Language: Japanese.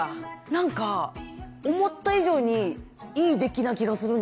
なんか思った以上にいい出来な気がするんですけど。